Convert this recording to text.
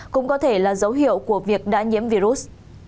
cũng có thể là dấu hiệu của việc đã nhiễm virus